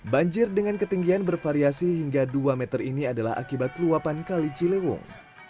banjir dengan ketinggian bervariasi hingga dua meter ini adalah akibat luapan kali ciliwung